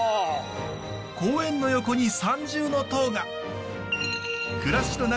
公園の横に三重塔が。